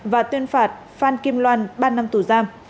và tuyên phạt phan kim loan ba năm tù giam